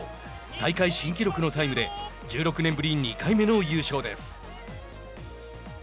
大会新記録のタイムで１６年ぶり２回目の優勝です。